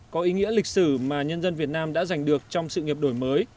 có ý nghĩa lịch sử mà nhân dân việt nam đã giành được trong sự nghiệp đổi mới